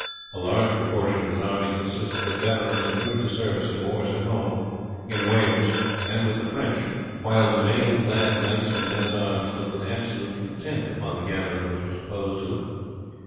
A large proportion of his army consisted of veterans inured to service in wars at home, in Wales, and with the French, while the mail clad knights and men at arms looked with absolute contempt upon the gathering which was opposed to them.